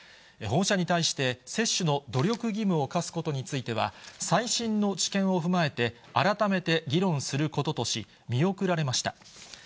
保護者に対して、接種の努力義務を課すことについては、最新の知見を踏まえて、改めて議論することとし、見送られました。